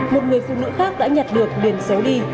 một người phụ nữ khác đã nhặt được điền xấu đi